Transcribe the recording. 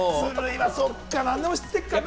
そっか、何でも知ってっからな。